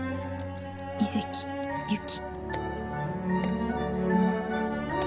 「井関ゆき」